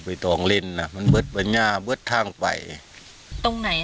ใบต่องเล่นอ่ะมันเบิดไปเนี่ยเบิดทางไปตรงไหนอ่ะ